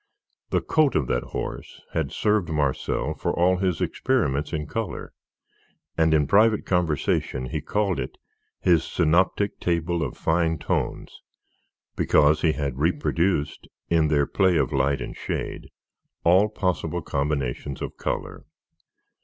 The coat of that horse had served Marcel for all his experiments in color, and in private conversation he called it his synoptic table of fine tones, because he had reproduced, in their play of light and shade, all possible combinations of color.